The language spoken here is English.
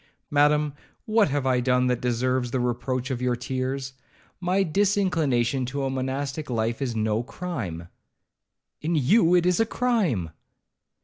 'Madam, what have I done that deserves the reproach of your tears? My disinclination to a monastic life is no crime?' 'In you it is a crime.'